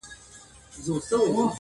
• د زړګي لښکر مي ټوله تار و مار دی..